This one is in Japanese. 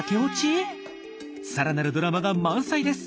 さらなるドラマが満載です。